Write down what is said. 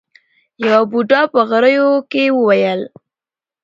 يوه بوډا په غريو کې وويل.